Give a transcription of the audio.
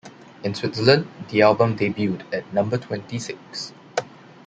In Switzerland, the album debuted at number twenty-six.